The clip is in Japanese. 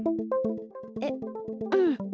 えっうん。